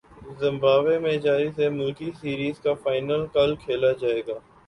Zimbabwe میں جاری سہ ملکی سیریز کا فائنل کل کھیلا جائے گا